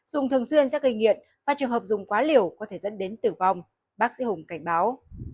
dùng thường xuyên sẽ gây nghiện và trường hợp dùng quá liều có thể dẫn đến tử vong bác sĩ hùng cảnh báo